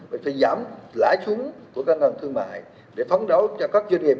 phải giảm lãi chốt của các ngân hàng thương mại để phóng đấu cho các doanh nghiệp